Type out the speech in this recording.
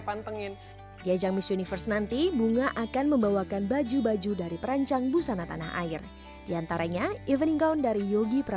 pantengin di ajang miss universe nanti bunga akan membawakan baju baju dari perancang busana tanah air diantaranya eventing count dari yogi